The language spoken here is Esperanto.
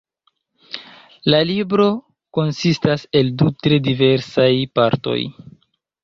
La libro konsistas el du tre diversaj partoj.